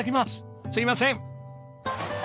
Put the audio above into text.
すいません！